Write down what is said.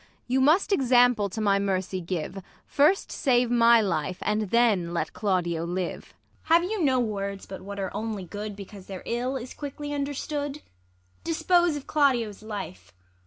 You must example to my mercy give ; First save my life, and then let Claudio live. ISAB. Have you no words but what are only good, Because their ill is quickly understood 1 Dispose of Claudio's life